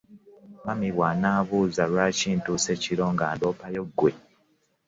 Mummy bw'anambuuza lwaki ntuuse kiro nga ndoopayo ggwe.